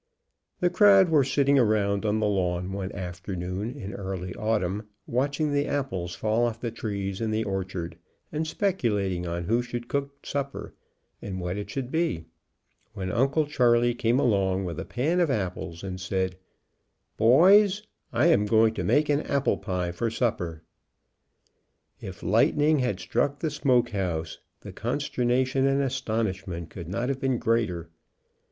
The crowd were sitting around 'on the lawn one afternoon in early autumn, watching the apples fall off the trees in the orchard, and speculating on who should cook supper, and what it should be, when Uncle Charley came along with a pan of apples and said : "Boys, I am going to make an apple pie for sup per." If lightning had struck the smokehouse the con sternation and astonishment could not have been greater.